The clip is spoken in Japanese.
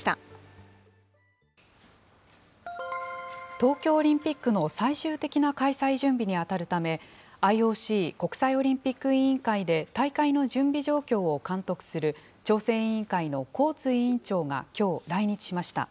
東京オリンピックの最終的な開催準備に当たるため、ＩＯＣ・国際オリンピック委員会で大会の準備状況を監督する調整委員会のコーツ委員長がきょう来日しました。